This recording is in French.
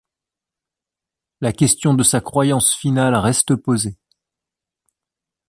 La question de sa croyance finale reste posée.